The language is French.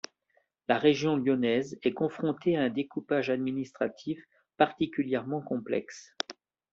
La région lyonnaise est confrontée à un découpage administratif particulièrement complexe.